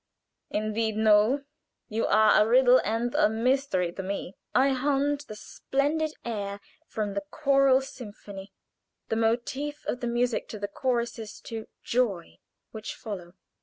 "Indeed, no! You are a riddle and a mystery to me." I hummed the splendid air from the Choral Symphony, the motif of the music to the choruses to "Joy" which follow.